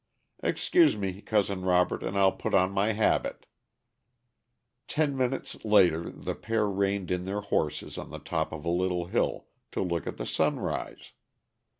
Excuse me, Cousin Robert, and I'll put on my habit." Ten minutes later the pair reined in their horses on the top of a little hill, to look at the sunrise.